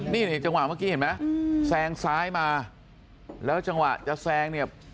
นี่จังหวะเมื่อกี้เห็นไหมแซงซ้ายมาแล้วจังหวะจะแซงเนี่ย